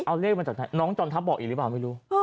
เอาเลขมาจากไหนน้องจอมทัพบอกอีกหรือเปล่าไม่รู้